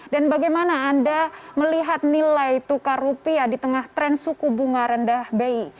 bagaimana anda melihat nilai tukar rupiah di tengah tren suku bunga rendah bi